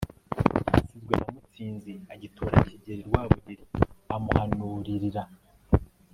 cyasizwe na mutsinzi agitura kigeli rwabugili amuhanuririra